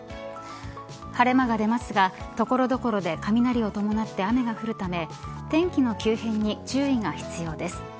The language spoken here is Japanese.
晴れ間が出ますが所々で雷を伴って雨が降るため天気の急変に注意が必要です。